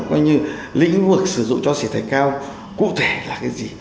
coi như lĩnh vực sử dụng cho xỉ thạch cao cụ thể là cái gì